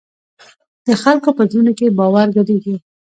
د خلکو په زړونو کې باور ګډېږي.